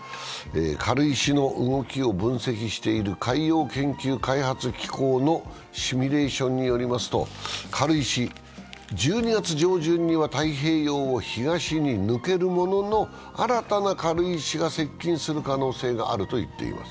軽石の動きを分析している海洋研究開発機構のシミュレーションによりますと、軽石、１２月上旬には太平洋を東東に抜けるものの、新たな軽石が接近する可能性があると言っています。